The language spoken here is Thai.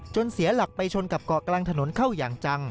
เสียหลักไปชนกับเกาะกลางถนนเข้าอย่างจัง